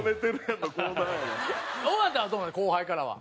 後輩からは。